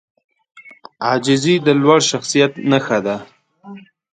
عاجزي د لوړ شخصیت نښه ده.